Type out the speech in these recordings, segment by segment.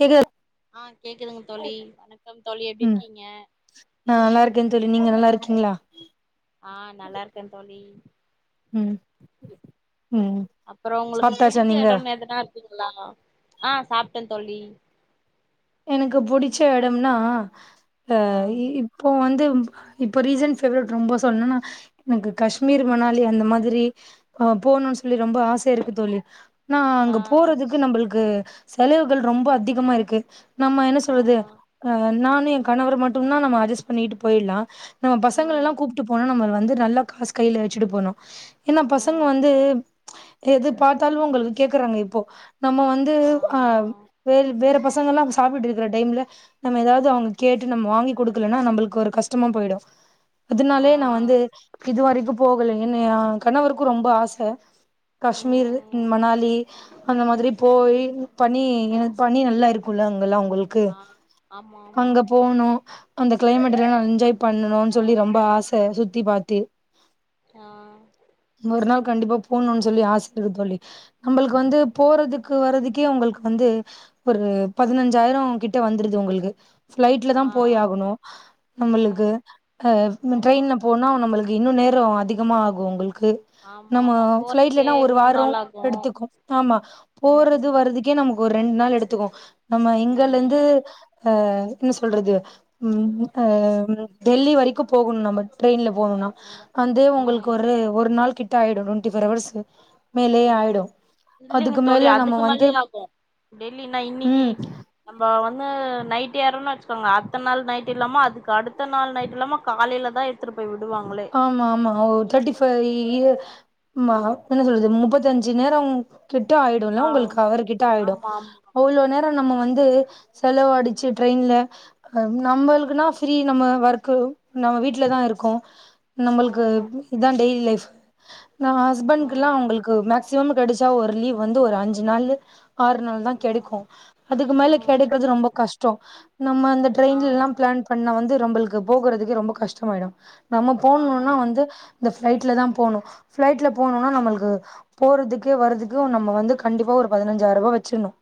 கேக்குதா ஆ கேக்குதுங்க தோழி வணக்கம் தோழி எப்டி ம் இருக்கீங்க நா நல்லா இருக்கே தோழி நீங்க நல்லா இருக்கீங்களா ஆ நல்லாருக்கே தோழி ம் ம் அப்புற உங்களுக்கு சாப்ட்டாச்சா புடிச்ச நீங்க எடோன்னு எதனா இருக்குங்களா ஆ சாப்ட்ட தோழி எனக்கு புடிச்ச எடம்னா ஆ இ இப்போ வந்து இப்ப ரீசண்ட் ஃபேவரட் ரொம்ப சொல்ணுன்னா எனக்கு கஷ்மீர் மணாலி அந்த மாதிரி ஆ போவுணுன்னு சொல்லி ரொம்ப ஆச இருக்கு தோழி ஆனா அங்க ஆ போறதுக்கு நம்பளுக்கு செலவுகள் ரொம்ப அதிகமா இருக்கு நம்ம என்ன ஆ சொல்றது ஆ நானு ஏ கணவரு மட்டும்னா நம்ம அட்ஜஸ்ட் பண்ணிட்டு போயிட்லா நம்ம பசங்களல்லா ம் கூப்ட்டு போனா நம்ம வந்து நல்லா காஸ் கையில வச்சுட்டு போணு ஏன்னா பசங்க ம் வந்து எது பாத்தாலு உங்களுக்கு கேக்குறாங்க இப்போ நம்ம வந் து ஆ வேற வேற பசங்க எல்லா சாப்ட்டுட்ருக்கிற டைம்ல நம்ம ஏதாவது அவங்க கேட்டு நம்ம ஏதாது அவுங்க கேட்டு வாங்கி கொடுக்கலனா நம்பளுக்கு ஒரு கஷ்டமா போயிடு ஆ அதுனாலே நா வந்து இதுவரைக்கு போகலங்க இன்று ஆ கணவருக்கு ரொம்ப ஆச கஷ்மீரு ம் மணாலி அந்த மாதிரி போய் பனி இங்கந்து பனி நல்லா இருக்குல்ல அங்கெல்லா உங்களுக் கு ஆ ஆமா ஆமா அங்க போவுனு அந்த கிளைமேட் எல்லா நா என்ஜாய் பண்ணணுன்னு சொல்லி ரொம்ப ஆச சுத்தி பாத்து ஆ ஒரு நாள் கண்டிப்பா போணுன்னு சொல்லி ஆச இருக்கு தோழி நம்நளுக்கு வந்து போறதுக்கு வர்றதுக்கே உங்களுக்கு வந்து ஒரு பதினஞ்சாயிர கிட்ட வந்துருது உங்களுக்கு ஃபிளைட்ல தா ஆ போய் ஆகணு நம்மளுக்கு ம் அ ஆமா ட்ரெயின்ல போனா நம்ள்க்கு இன்னு நேரோ அதிகமாகு உங்ள்க்கு ஆமா நம்ம ஆமா போறதுக்கே ஃபிளைட்லன்னா ஒரு மூண் வாரோ நாள் ஆகு எடுத்துக்கு ஆம்மா ம் போறது வரது க்கே நமக்கு ஒரு ரெண்நாள் எடுத்துக்கு நம்ம ம் எங்கலந்து அ என்ன சொல்றது ம் அ டெல்லி வரைக்கு போகணு நம ட்ரெயின்ல போணுனா ம் வந்து உங்களுக்கு ம் ஒரு ஒரு நாள் கிட்ட ஆயிடு டொண்ட்டி ஃபோர் அவர்ஸ்சு ம் இல்லைங்க தோழி நம்ம அதுக்கு வந்து மேலயே ஆகு டெல்லினா இன்னைக்கி ம் நம்ம வந்து நைட் ஏர்றோன் வச்சுக்கோங்க அத்த நாள் நைட் இல்லாம அதுக்கு அடுத்த நாள் நைட் இல்லாம காலைல தா த்துட்டு போய் விடுவாங்ளே ஆமாமா ஒ தேர்டி ஃபை இய ம்மா என்ன சொல்றது முப்பத்தஞ்சு நேரம் கிட்ட ஆயிடுல்ல ஆ உங்களுக்கு அவர் கிட்ட ஆயிடு ஆமா ஆமா அவ்ளோநே ரோ நம்ம வந்து செலவு அடிச்சு ட்ரெயின்ல அ நம்மளுக்குனா ஃப்ரீ நம்ம ஒர்க்கு நம்ம வீட்டுலதா இருக்கோ நம்மள்க்கு ம் இதா டெய்லி லைஃப் நா ம் ஹஸ்பண்கெல்லா அவ்ங்கள்க்கு மே க்சிமம் கெடச்சா ஒரு லீவ் வந்து ஒரு அஞ்சு நாள்ளு ஆறு நாள் தா கெடைக்கு ம் அதுக்கு மேல ம் கெடைக்கறது ரொம்ப கஷ்டோ நம்ம அந்த ஆ ட்ரெயின்லலா பிளான் பண்ண வந்து நம்ள்க்கு போகறதுக்கே ரொம்ப கஷ்டமாயிடு நம்ம ஆமா போணுனா ஆமா வந்து இந்த ஃபிளைட்ல தா போணு ஃபிளைட்ல போணுனா ம் நம்மள்க்கு போறதுக்கு வரதுக்கு நம்ம வந்து கண்டிப்பா ஒரு பதினஞ்சாயிர்வா வச்சிர்ணு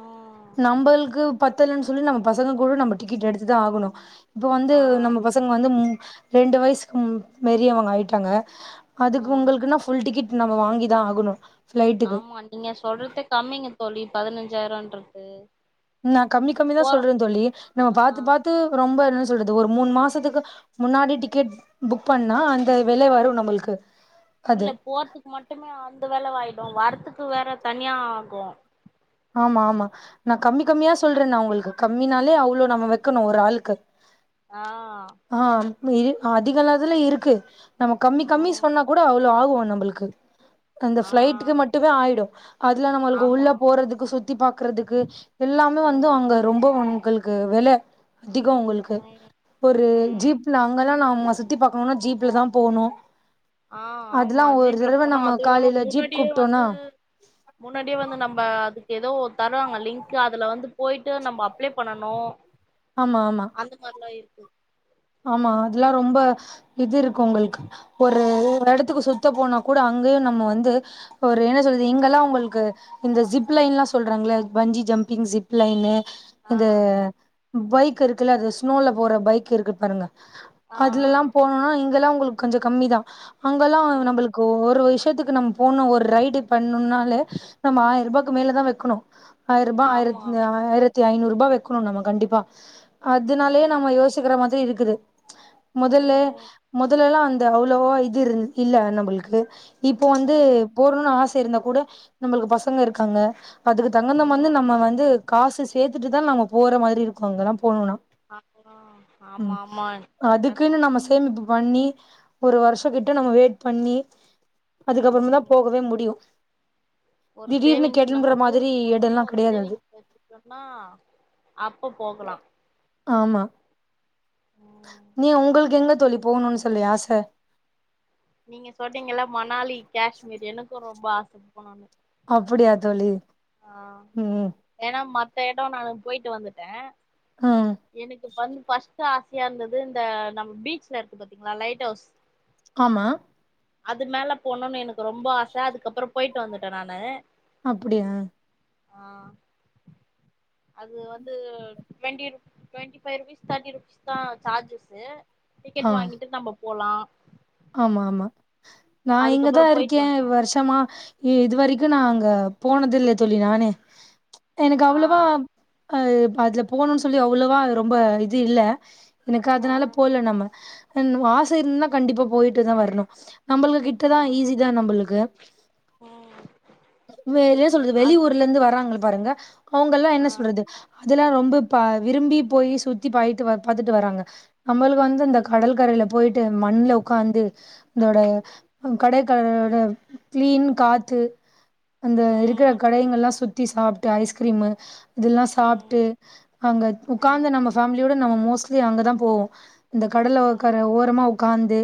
ம் நம்மள்க்கு பத்தலன் சொல்லி நம்ம பசங்க கூட நம்ப டிக்கெட் எடுத்துதா ஆகணு இப்ப வந்து ஆ நம்ம பசங்க வந்து ம் ரெண்டு வயசுக்கு ம் மேரியு அவுங்க ஆயிட்டாங்க அதுக்கு ம் உங்கள்க்குன்னா ஃபுல் டிக்கெட் நம்ம வாங்கி தா ஆகணு ஃப்ளைட்டுக்கு ஆமா நீங்க சொல்றது கம்மிங்க தோழி பதினஞ்சாயிரன்றது நா கம்மி கம்மிதா போறோ சொல்றே தோழி நம்ம ஆ பாத்து பாத்து ரொம்ப என்ன சொல்றது ஒரு மூன் மாசத்துக்கு முன்னாடி டிக்கெட் புக் பண்ணா அந்த விலை வரு நம்ள்க்கு இல்ல போறதுக்கு மட்டு அந்த வெலவாயிடு வர்றத்துக்கு வேற தனியா ஆகு ஆமாமா நா கம்மி கம்மியா சொல்றே நா உங்கள்க்கு கம்மினாலே அவ்ளோ நம்ம வைக்கணு ஒரு ஆள்க்கு ஆ ஆ ம் அதிகல்லதுல இருக்கு நம்ம கம்மி கம்மி ம் சொன்னா கூட அவ்ளோ ஆகு நம்மள்க்கு அந்த ஆ ஃப்ளைட்க்கு மட்டுமே ஆயிடு அதுல நம்மளுக்கு ஆமா உள்ள போறதுக்கு சுத்தி பாக்குறதுக்கு எல்லாமே வந்து ம் அங்க ரொம்ப உங்கள்க்கு வெல அதிகோ உங்கள்க்கு ம் ஒரு ம் ஜீப்ல அங்கெல்லா நம்ம சுத்தி பாக்கணுனா ஜீப்ல தா போணு ஆ அதெல்லா ஆமா ஒரு ஜீப்ல தடவ போனோ நம்ம அது இல்லாம காலைல ஜீப் முன்னாடியே வந்து கூப்ட்டோனா முன்னாடியே வந்து நம்ம அதுக்கு ஏதோ தருவாங்க லிங்க்கு அதுல வந்து போயிட்டு நம்ம அப்ளை பண்ணணு ஆமாமா அந்த மார்லா இருக்கு ஆமா அதெல்லா ரொம்ப இது இருக்கு உங்கள்க்கு ஒரு எடத்துக்கு சுத்த போனா கூட அங்கயு நம்ம வந்து ஒரு என்ன சொல்து இங்கெல்லா உங்கள்க்கு இந்த ஜிப் லைன்லா சொல்றாங்கல பஞ்சி ஜம்ப்பிங் ஜிப் லைனு ஆ இந்த பைக் இருக்குல்ல அது ஸ்னோல போற பைக் இருக்கு பாருங்க ஆ அதுலல்லா போனுனா இங்கெலா ஒங்களுக்கு கொஞ்ச கம்மிதா அங்கெலா ம் நம்மளுக்கு ஒரு விஷயத்துக்கு நம் போனு ஒரு ரைடி பன்னுன்னாலே நம்ம ஆயர்பாய்க்கு ம் மேலதா வெக்குனு ஆயர்பா ஆமா ஆயிரத்த ஆயிரத்தி ஐநூறுபா வக்குனு நம்ம கண்டிப்பா அதுனாலயே ம் நம்ம யோசிக்கிற மாதுரி இர்க்குது முதல்ல ம் முதலலா அந்த அவ்ளவோ இது இரு இல்ல நம்முளுக்கு இப்போ வந்து ம் போற்னுன் ஆச இருந்தா கூட நம்மளுக்கு பசங்க இருக்காங்க அதுக்கு தகுந்தம் வந்து ம் நம்ம வந்து காசு சேத்துட்டுதா நம்ம போற மாரி இருக்கு அங்கலா போனுனா அதுதா அதுக்குன்னு நம்ம சேமிப்பு பண்ணி ஒரு வருஷ கிட்ட நம்ம வெயிட் பண்ணி அதுக்கப்றமா தா ம் போகவே முடியு ஒரு திடீர்னு சேவிங்ஸு கெளம்புற நம்ம மாதிரி டூருக் போறோனே எடல்லா ஒரு கெடையாது அது சேவிங்ஸு சொன்னா அப்ப போகுலா ஆமா ம் நீ ஒங்களுக்கு எங்கே தோழி போவுனுன் சொல்லி ஆச நீங்க சொன்னிங்கல மணாலி காஷ்மீர் எனக்கு ரொம்ப ஆச போனுனு அப்புடியா தோழி ம் ம் ஏனா மத்த எடோ நா போயிட்டு வந்துட்ட அ எனுக்கு வந்து ஃபர்ஸ்ட் ஆஸ்யா இருந்தது இந்த நம்ம பீச்ல இருக்கு பாத்தீங்ளா லைட் ஹவுஸ் ஆமா அது மேல போனுன்னு எனக்கு ரொம்ப ஆச அதுக்கப்றோ போயிட்டு வந்துட்ட நானு அப்புடியா ஆ அது வந்து ட்வெண்ட்டி ரு twenty five rupees thirty rupees தா சார்ஜஸு ஆ டிக்கெட் வாங்கிட்டு நம்ப போலா ஆமா ஆமா நா இங்கதா அதுக்கப்புறோ போயிட்டு இருக்கே வந்தோ வர்ஷமா இ இது வரைக்கு நா அங்க போனதுல்ல தோழி நானே எனக்கு ஆ அவுளவா அ இப்பஅதுல போனுன் சொல்லி அவுளவா ரொம்ப இது இல்ல எனக்கு ஆ அதுனால போல நம்ம அன் வாச இருந்துன்னா கண்டிப்பா போயிட்டு தா வர்னு நம்பளுக் கிட் ஆ டதா ஈசிதா நம்பளுக்கு ம் வேற எ சொல்றது வெளி அத் ஊர்லேந்து வராறங்கள் பாருங்க அவுங்கல்லா என்ன ஆ சொல்றது அதுலா ரொம்ப ப விரும்பி போய் சுத்தி பாய்ட்டு பாத்துட்டு வராங்க நம்பளுக் வந் இந்த கடல் கரைல போய்ட்டு மண்ல காந்து இதோட கடற்க்கழையோட க்ளீன் காத்து அந்த இருக்குற ம் கடைங்கல்லா சுத்தி சாப்ட்டு ஐஸ்க்ரீமு இதுல்லா ம் சாப்ட்டு அங்க ம் உக்காந்து நம்ம ஃபேம்லியோட நம்ம மோஸ்ட்லி அங்கதா போவோ இந்த ம் கடலைஒகர ஓரமா உக்காந்து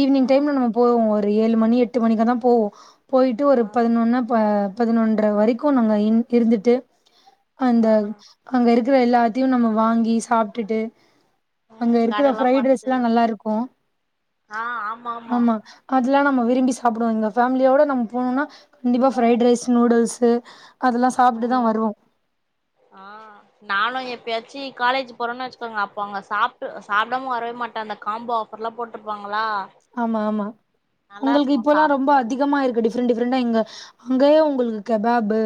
ஈவினிங் டைம்ல ம் நம்ம போவோ ஒரு ஏழு மணி எட்டு மணிக்கா தா போவோ போயிட்டு ஒரு ஆ பதுனொன்னு ப பதுனொன்ற வரக்கு நாங்க இன் இருந்துட்டு அந்த ஆ அங்க இருக்குற எல்லாத்யு நம்ம வாங்கி சாப்ட்டுட்டு அங்க ம் இருக்குற கடல்லா ஃரைட் பாத்துட்டு ரைஸ்லா நல்லாருக்கு ஆ ஆம் ஆமா அதுல்லா நம்ம விரும்பி சாப்புடோ ஃபேம்லியோட நம்ம போனோனா கண்டிப்பா ஃப்ரைட் ரைஸ் நூடுல்ஸு அதுல்லா சாப்ட்டுதா ம் வருவோ ஆ நாலு எப்யாச்சு காலேஜ் போறேம்ன் வச்சுக்கோங்க அப்போ அங்க சாப்டு சாப்டாமா வரவே மாட்டே அந்த காம்போ ஆஃப் பொருளா போட்ருப்பாங்களா ஆமா ஆமா நல்லா உங்களுக்கு இருக்கு இப்பல்லா ரொம்ப சாப்ட்டு வருவே அதிகமா இருக்கு டிப்ரண்ட் டிஃப்ரெண்டா இங்க அங்கேயே உங்களுக்கு கெபாபு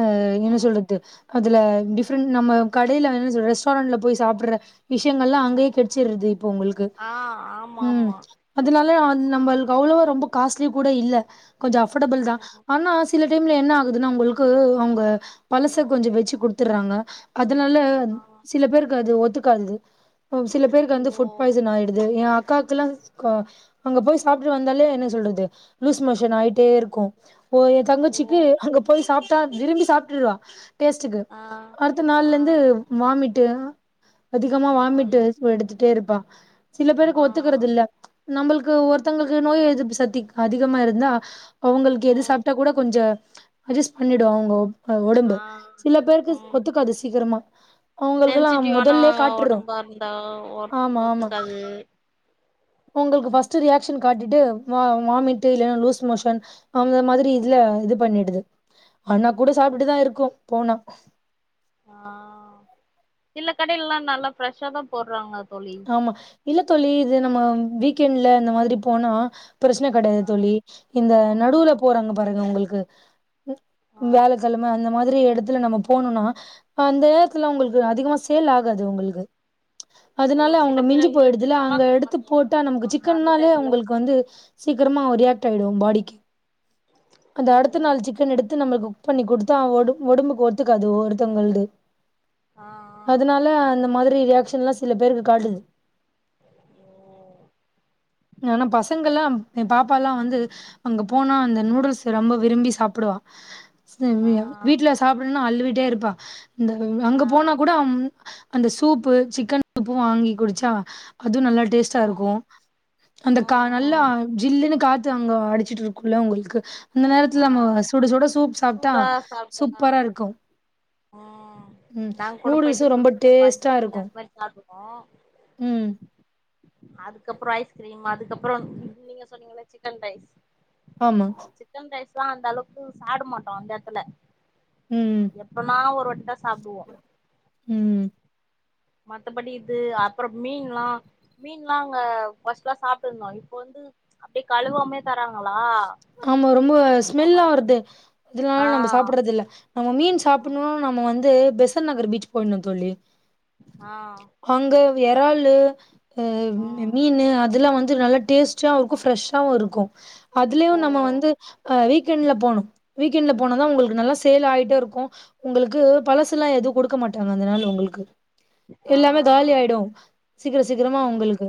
அ என்ன ம் சொல்றது அதுல டிஃப்ரெண்ட் நம்ம கடையில என்ன சொல்ற ரெஸ்டாரண்டில போய் சாப்புற விஷயங்கள் எல்லா அங்கயே கெடைச்சிடுது இப்போ உங்களுக்கு ஆ ஆமா ம் ஆமா அதனால நம்ளுக்கு அவ்ளவா ரொம்ப காஸ்ட்லி கூட இல்ல கொஞ்சம் அஃபோர்டபிள் தா ம் ஆனா சில சில டைம்ல என்ன ஆகுதுன்னா உங்களுக்கு அவங்க பழச கொஞ்ச வச்சு குடுத்துறாங்க அதனால ஆ சில பேருக்கு அது ஒத்துக்காது சில பேருக்கு ஓ வந்து புட் பாய்சன் ஆயிடுது எ அக்காக்கெல்லா அங்க போய் சாப்ட்டுட்டு வந்தாலே என்ன சொல்றது லூஸ் மோஷன் ஆயிட்டே இருக்கு போயி என் ஓ தங்கச்சிக்கு அங்க போய் சாப்டா விரும்பி சாப்ட்டுறுவா டேஸ்ட்டுக்கு ஆ அடுத்த ஆ நாள்ல இருந்து வாமிட்டு அதிகமா ஆய் வாமிட்டு் எடுத்துட்டே இருப்பா சில ஆ பேருக்கு ஒத்துக்கறது இல்ல நம்மளுக்கு ஒருத்தங்களுக்கு நோய் எதிர்ப்பு சத்தி அதிகமா இருந்தா அவங்களுக்கு எது ம் சாப்டா கூட கொஞ்ச அட்ஜஸ் பண்ணிடும் அவங்க ஒ ஒடம்பு ஆ சில பேருக்கு ம் ஒத்துக்காது சீக்கிரமா அவங்களுக்கெல்லா சென்சிட்டிவான முதல்லே காட்டுறும் ஒடம்பா இருந்தா ஒ ஆமா ஆமா ஒத்துக்காது அவங்களுக்கு பஸ்ட்டு ரியாக்ஷன் காட்டிட்டு வாமிட் இல்லன்னா லூஸ் மோஷன் அந்த மாதிரி இதுல இது பண்ணிடுது ஆன்னா கூட சாப்ட்டு தா இருக்கோ போனா அ இல்ல கடையிலல்லா நல்லா ஃப்ரெஷ்ஷா தா போடுறாங்க தோழி ஆமா இல்ல தோழி இது நம்ம வீக்கெண்ட்ல இந்த மாதிரி போனா பிரச்சனை கெடையாது ஆ தோழி இந்த நடுவுல ம் போறாங்க பாருங்க உங்களுக்கு ஆ வியாழகெழ அந்த மாதிரி எடத்துல நம்ம போனம்னா அந்த நேரத்துல உங்களுக்கு அதிகமா சேல் ஆகாது உங்களுக்கு ஓ அதனால சில அவங்க பேர் மிஞ்சி வந்து இந்த போயிடுதுல அங்க செவ்வாகெழம எடுத்து போட்டா நமக்கு செய்யறதுக்கு அந்த சிக்கன்னாலே டைம்ல அவங்களுக்கு வந்து சீக்கிரமா ரியாக்ட் ஆயிடு பாடிக்கு அந்த அடுத்த ஓ நாள் சிக்கன் எடுத்து நம்ளுக்கு பண்ணி கொடுத்தா ஒடம் ஒடம்புக்கு ஒத்துக்காது ஒருத்தவங்களது அ அ அதனால அந்த மாதிரி ரியாக்ஷன்லா சில பேருக்கு காட்டுது நா பசங் அல்லாம் என் பாப்பா எல்லாம் வந்து அங்க போனா அந்த நூடுல்ஸ் ரொம்ப விரும்பி சாப்டுவா ஆ [unintelligible] வீட்ல சாப்டுன்னா அழிவிட்டே இருப்பா இந்த அங்க ஆ போனா கூட அந்த சூப்பு சிக்கன் சூப்பு வாங்கி குடிச்சா அதுவு நல்ல டேஸ்டா இருக்கு ஆ அந்த ஆ கான் நல்லா ஜில்லுன்னு காத்து அங்க அடிச்சுட்டு இருக்குல்ல உங்களுக்கு அந்த ஆ நேரத்துல நம்ம சுட சுட சூப் சாப்ட்டா சூடா சாப்ட்டனா சூப்பரா இருக்கு ம் ம் நாங்க கூட போயிட்டு நூடுல்ஸு ரொம்ப சுட சுட டேஸ்ட்டா பஜ்ஜி இருக்கு அந்த மாரி ம் [unintelligible] அதுக்கப்பறோ ஐஸ்கிரீம் அதுக்கப்பறோ நீங்க சொன்னீங்கள சிக்கன் ரைஸ் ஆமா சிக்கன் ரைஸ்ல்லா அந்த அளவுக்கு சாப்ட மாட்டோ அந்த எடத்துல ம் அப்பறமா ஒரு வட்ட சாப்டுவோம் ம் மத்தபடி இது அப்பறோமீன்லா மீன்லா அங்க பஸ்ட் எலா சாப்டு இருந்தோ இப்ப வந்து அப்டியே கழுவாமே தராங்களா ஆமா ரொம்ப அவங்க ஸ்மெல்லா வருது ஆ அதனால நம்ப சாப்பட்றது இல்ல நம்ம மீன் ம் சாப்புடணு நம்ம வந்து பெசன் நகர் பீச் போயின்னு தோழி ஆ அங்க எறாலு அ ம் மீனு அதெல்லா வந்து நல்லா டேஸ்ட்டா இருக்கு ஃப்ரெஷ்ஷாவு இருக்கு அதுலயு ஓ நம்ம வந்து அ வீக்கெண்ட்ல போணு வீக்கெண்ட்ல போனாதா உங்களுக்கு நல்லா சேல் ஆய்ட்டே இருக்கு உங்களுக்கு பழசுல்லா எதுவு குடுக்க மாட்டாங்க அதனால உங்களுக்கு ஆ எல்லாமே காலி ஆயிடு சீக்கர சீக்கரமா ம் உங்களுக்கு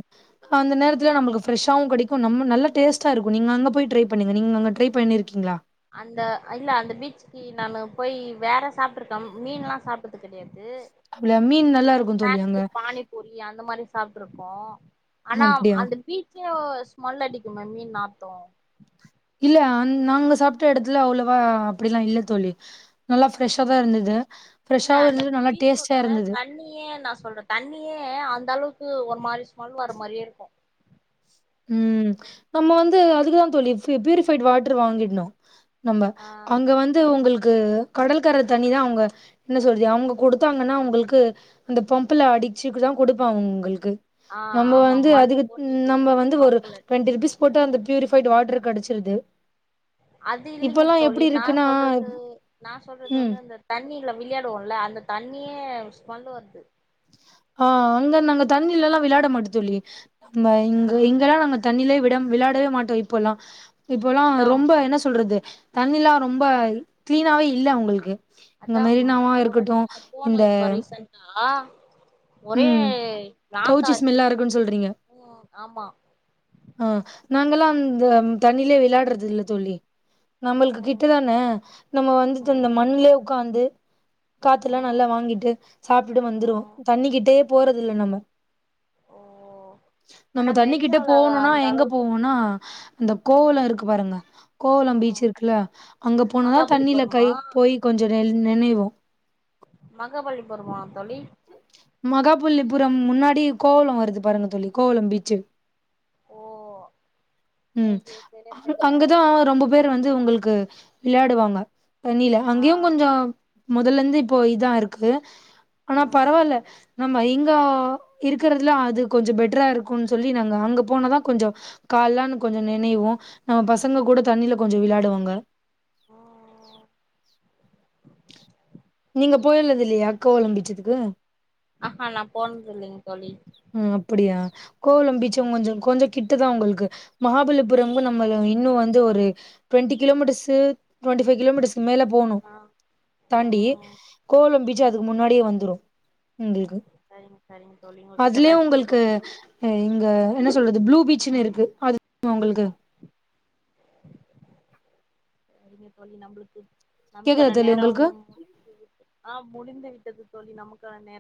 அந்த நேரத்துல நம்ளுக்கு ஃப்ரெஷ்ஷாவு கெடைக்கு நம்ம நல்ல டேஸ்டா இருக்கு நீங்க அங்க போய் ட்ரை பண்ணுங்க நீங்க அங்க ட்ரை பண்ணிருக்கீங்களா அந்த இல்ல அந்த பீச்சுக்கு நானு போய் வேற சாப்ட்ருக்க ம் மீன்லா சாப் ட்டது கிடையாது அதுல மீன் நல்லா இந்த இருக்கு தோழி அங்க ஸ்நாக்ஸ் பானி பூரி அந்த மாரி சாப்ட்ருக்கோ ஆனா அப்டியா அந்த பீச் எப்டியோ ஸ்மெல் அடிக்குமே மீன் நாத்தோ இல்ல அ நாங்க சாப்ட்ட இடத்துல அவ்ளோவா அப்டிலா இல்ல தோழி நல்லா ஃப்ரெஷ்ஷாதா ஆ இருந்துது இல்ல ஃப்ரெஷாவும் அந்த இருந்துது நல்லா பீச்சோட டேஸ்ட்டா இருந்துது தண்ணியே நா சொல்ற தண்ணியே அந்த அளவுக்கு ஒரு மாரி ஸ்மெல் வர மாரியே இருக்கு ம் நம்ம வந்து அதுக்குதா தோழி பியூரிஃபைடு் வாட்டர் வாங்கிட்ணு நம்ப ஆ அங்க வந்து உங்களுக்கு கடல்கர தண்ணிதா அவங்க என்ன சொல்றது அவங்க கொடுத்தாங்கன்னா அவங்களுக்கு அந்த பம்புல அடிச்சுக்குதா கொடுப்பாங்க உங்களுக்கு ஆ நம்ப ஆமா வந்து மண் அதுக்கு தோண்டிட்டு நம்ப வந்து ஒரு பம்புல டுவெண்டி ருபீஸ் போட்டு அந்த பியூரிபைடு வாட்டர் கெடச்சிருது அது இல்லீங்க இப்பல்லா தோழி எப்டி நா இருக்குன்னா சொல்றது நா சொல்றது ம் வந்து அந்த தண்ணில விளையாடுவோம்ல அந்த தண்ணியே ஸ்மெல் வருது ஆ அங்க நாங்க தண்ணீலெல்லா விளாட மாட்டோ தோழி நம்ம ஆ இங்க இங்கல்லா நாங்க தண்ணிலே விட விளாடவே மாட்டோ இப்பல்லா இப்போல்லா அதா ரொம்ப என்ன சொல்றது தண்ணிலா ரொம்ப கிளீனாவே இல்ல உங்களுக்கு அக்கா ஒரு வாட்டி நாங்க போனோ இந்த இப்ப ரீசன்டா ஒரே ம் நாத்தோ கவுச்சி அச்சு ஸ்மெல்லா இருக்குன்னு உ ஆமா அ நாங்கல்லா அந்த தண்ணிலயே விளையாடுறது இல்ல தோழி நம்மளுக்கு ம் கிட்டதான நம்ம வந்துட்டு ம் இந்த மண்ணுல உக்காந்து காத்துல்லா ம் நல்லா வாங்கிட்டு சாப்டுட்டு வந்துருவோ ம் தண்ணிக்கிட்டயே போறதுல்ல நம்ப ஓ நம்ம ஆனா தண்ணிக்கிட்ட மெரினால போணுனா அந்த எங்க அளவுக்கு போவோனா இந்த ம் கோவல இருக்கு பாருங்க ஓ கோவலம் பீச் இருக்குல்ல அங்க போனதா தண்ணில கை மகாபலிபுரமா போய் கொஞ்சோ நெ நெனைவோ மகாபலிபுரமா தோழி மகாபுள்ளிபுரம் முன்னாடி கோவலம் வருது பாருங்க தோழி கோவலம் பீச்சு ஓ ம் எனக்கு சரியா அ தெர்ல அங்கதா ரொம்ப பேரு வந்து உங்களுக்கு விளையாடுவாங்க தண்ணில ஆ அங்கயு கொஞ்சோ முதல்ல இருந்து இப்போ இதா இருக்கு ஆனா ஆ பரவால்ல நம்ம இங்க இருக்கறதுல அது கொஞ்சோ பெட்டரா இருக்குன்னு சொல்லி நாங்க அங்க போனாதா கொஞ்சோ கால்லான்னு கொஞ்சோ நெனைவோ நம்ம பசங்க கூட தண்ணில கொஞ்சோ விளையாடுவாங்க ஆ ஆ நீங்க போயலது இல்லயா கோவலம் பீச்சத்துக்கு ஆ ஹா நா போனது இல்லைங்க தோழி ம் அப்படியா கோவலோ பீச்சு கொஞ்சோ கொஞ்சோ கிட்டதா உங்ளுக்கு மகாபலிபுரமு நம்ம இன்னு வந்து ஒரு டுவெண்டி கிலோமீட்டர்ஸ் டுவெண்ட்டிபைவ் கிலோமீட்டர்ஸ்க்கு மேல போணு ஆ தாண்டி ம் கோவலோ பீச்சு ம் அதுக்கு முன்னாடியே வந்துரு உங்குள்க்கு ம் சரிங்க தோழி உங்க கிட்ட பேச ரொம்ப இங்க என்ன சொல்றது ப்ளூ பீச்ன்னு இருக்கு அது உங்குள்க்கு ஆ சரிங்க தோழி நம்ளுக்கு கேக்குதா நமக்கான தோழி உங்களுக்கு நேரோம் அ முடிந்து விட்டது தோழி நமக்கான நேரம்